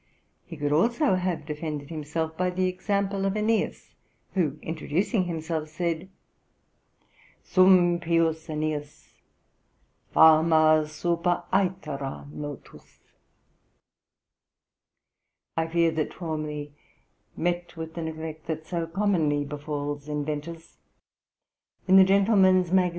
He could also have defended himself by the example of Aeneas, who, introducing himself, said: 'Sum pius Aeneas ........ fama super aethera notus.' Aeneid, i. 378. I fear that Twalmley met with the neglect that so commonly befalls inventors. In the Gent. Mag.